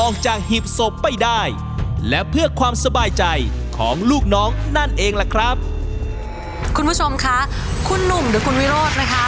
คุณผู้ชมคะคุณหนุ่มหรือคุณวิโรธนะคะ